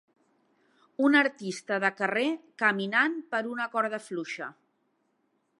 Un artista de carrer caminant per una corda fluixa.